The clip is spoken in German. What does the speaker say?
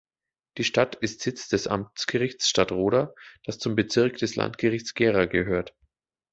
Die Stadt ist Sitz des Amtsgerichts Stadtroda, das zum Bezirk des Landgerichts Gera gehört.